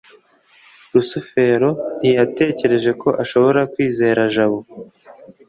rusufero ntiyatekereje ko ashobora kwizera jabo